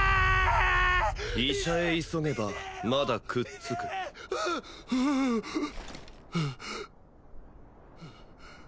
医者へ急げばまだくっつく痛えよ